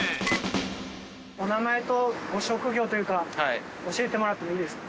お名前とご職業というか教えてもらってもいいですか？